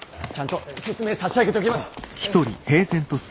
ちゃんと説明差し上げときます！